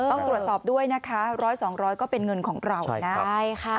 ต้องตรวจสอบด้วยนะคะ๑๐๐๒๐๐ก็เป็นเงินของเรานะใช่ค่ะ